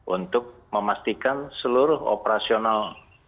untuk memastikan seluruh operasional